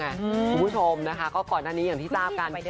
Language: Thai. คุณผู้ชมนะคะก่อนทีที่ทราบกัน